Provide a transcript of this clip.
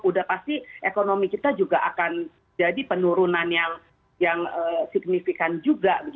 udah pasti ekonomi kita juga akan jadi penurunan yang signifikan juga